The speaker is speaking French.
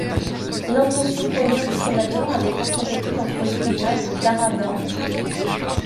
L'intention première du fondateur avait pourtant été d'employer une image de Clara Bow.